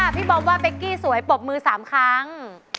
พี่บอมว่าเป๊กกี้สวยปรบมือ๓ครั้ง